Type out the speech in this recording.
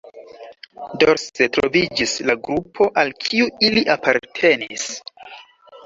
Dorse troviĝis la grupo al kiu ili apartenis.